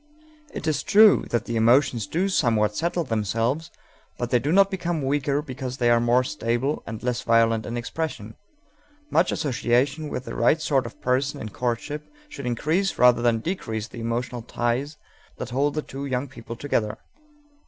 It is true that the emotions do somewhat settle themselves, but they do not become weaker because they are more stable and less violent in expression. Much association with the right sort of person in courtship should increase rather than decrease the emotional ties that hold the two young people together.